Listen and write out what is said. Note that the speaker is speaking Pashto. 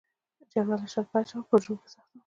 جګړه له شله پیل شوه او په جنوب کې سخته وه.